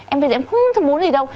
em bây giờ em không muốn gì đâu